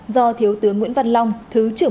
do thiếu tướng nguyễn văn long thứ trưởng